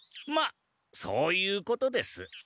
まっそういうことです。